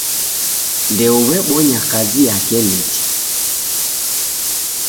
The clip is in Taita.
Ndeuw'ebonya kazi yake nicha.